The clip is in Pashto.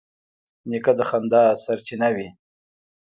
نیکه د خندا سرچینه وي.